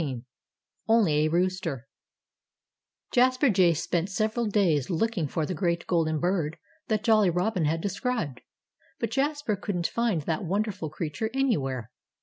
XVII ONLY A ROOSTER Jasper Jay spent several days looking for the great golden bird that Jolly Robin had described. But Jasper couldn't find the wonderful creature anywhere.